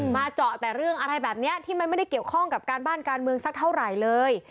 เจาะแต่เรื่องอะไรแบบนี้ที่มันไม่ได้เกี่ยวข้องกับการบ้านการเมืองสักเท่าไหร่เลย